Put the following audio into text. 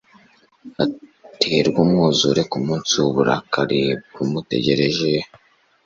aterwe n'umwuzure ku munsi w'uburakari bw'umutegereje